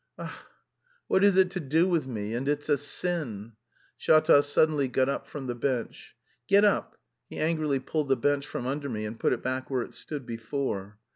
"Ach, what is it to do with me, and it's a sin." Shatov suddenly got up from the bench. "Get up!" He angrily pulled the bench from under me and put it back where it stood before.